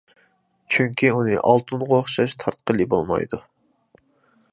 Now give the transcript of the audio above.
چۈنكى ئۇنى ئالتۇنغا ئوخشاش تارتقىلى بولمايدۇ.